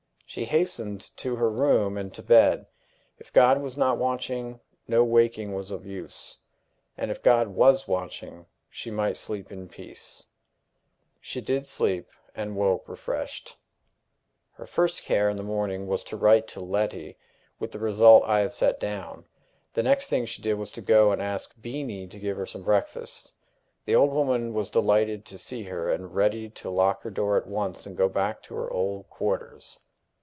She hastened to her room, and to bed. If God was not watching, no waking was of use; and if God was watching, she might sleep in peace. She did sleep, and woke refreshed. Her first care in the morning was to write to Letty with the result I have set down. The next thing she did was to go and ask Beenie to give her some breakfast. The old woman was delighted to see her, and ready to lock her door at once and go back to her old quarters.